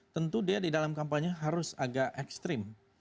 tentu dia di dalam kampanye harus agak ekstrim